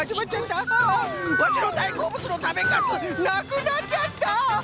ワシのだいこうぶつのたべカスなくなっちゃった！